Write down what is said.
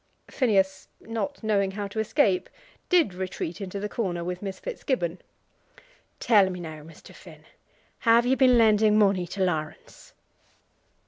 Phineas, not knowing how to escape, did retreat into the corner with Miss Fitzgibbon. "Tell me now, Mr. Finn; have ye been lending money to Laurence?"